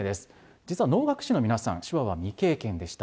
実は能楽師の皆さん、手話は未経験でした。